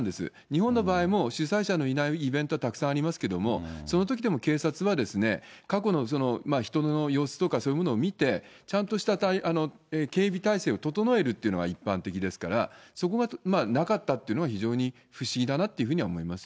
日本の場合も主催者のいないイベントはたくさんありますけども、そのときでも警察は過去の人の様子とかそういうものを見て、ちゃんとした警備態勢を整えるっていうのが一般的ですから、そこがなかったというのが非常に不思議だなっていうふうには思い